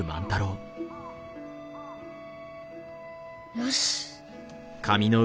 よし。